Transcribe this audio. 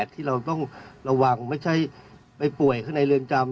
ที่เราต้องระวังไม่ใช่ไปป่วยข้างในเรือนจำ